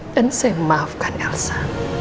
dan saya memaafkan elsa